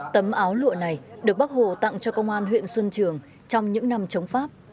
tấm áo lụa này được bác hồ tặng cho công an huyện xuân trường trong những năm chống pháp